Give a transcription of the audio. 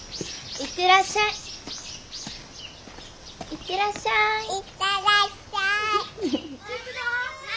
いってらっしゃい。